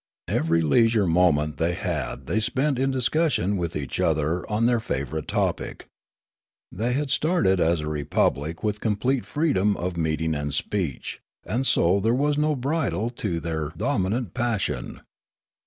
Every leisure moment they had they spent in discussion with each other on their favourite topic. The}^ had started as a republic with complete freedom of meeting and speech; and so there was no bridle to their dominant pas sion.